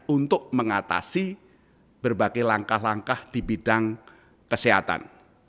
untuk mengatasi berbagai langkah langkah di bidang kesehatan